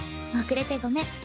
遅れてごめん。